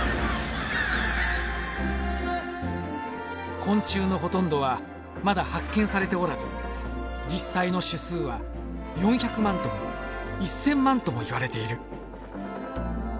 昆虫のほとんどはまだ発見されておらず実際の種数は４００万とも１，０００万ともいわれている。